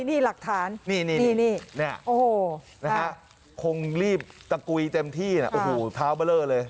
นี่หลักฐานนี่โอ้โหนะฮะคงรีบตะกุยเต็มที่นะโอ้โหเท้าเบอร์เลอร์เลย